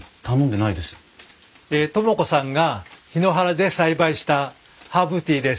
智子さんが檜原で栽培したハーブティーです。